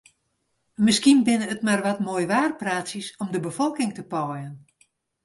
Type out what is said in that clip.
Miskien binne it mar wat moaiwaarpraatsjes om de befolking te paaien.